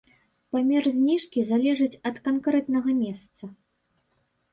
Памер зніжкі залежыць ад канкрэтнага месца.